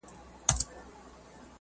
ساعت نور د وخت د تېرېدو کیسه نه کوله.